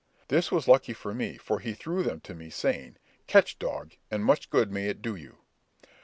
This was lucky for me, for he threw them to me, saying, "Catch, dog, and much good may it do you."